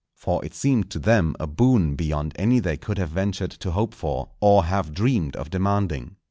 For it seemed to them a boon beyond any they could have ventured to hope for, or have dreamed of demanding.